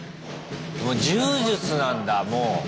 もう柔術なんだもう。